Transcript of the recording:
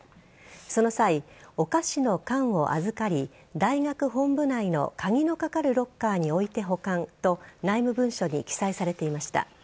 その際、お菓子の缶を預かり大学本部内の鍵のかかるロッカーに置いて保管と内部文書に記載されていました。